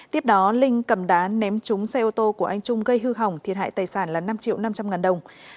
tiếp đó linh cầm đá ném trúng xe ô tô của anh trung gây hư hỏng thiệt hại tài sản là năm triệu năm trăm linh ngàn đồng